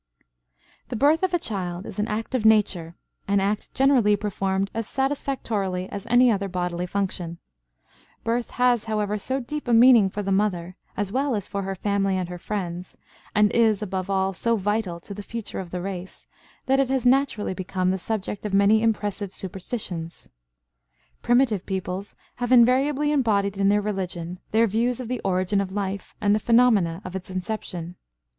The birth of a child is an act of nature, an act generally performed as satisfactorily as any other bodily function. Birth has, however, so deep a meaning for the mother, as well as for her family and her friends, and is, above all, so vital to the future of the race, that it has naturally become the subject of many impressive superstitions. Primitive peoples have invariably embodied in their religion their views of the origin of life and the phenomena of its inception.